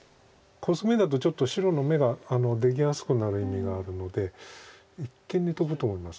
コスミだとちょっと白の眼ができやすくなる意味があるので一間にトブと思います。